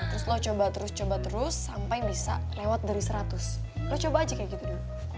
terus lo coba terus coba terus sampai bisa lewat dari seratus lo coba aja kayak gitu dulu